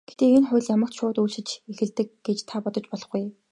Гэхдээ энэ хууль ямагт шууд үйлчилж эхэлдэг гэж та бодож болохгүй.